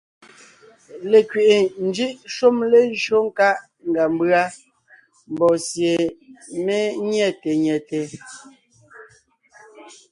Lekwiʼi njʉ́ʼ shúm lejÿó nkáʼ ngʉa mbʉ́a mbɔɔ sie mé nyɛ̂te nyɛte.